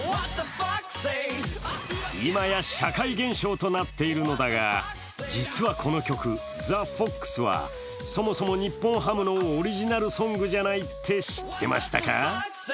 今や社会現象となっているのだが、実はこの曲「ＴｈｅＦｏｘ」はそもそも日本ハムのオリジナルソングじゃないって知ってましたか？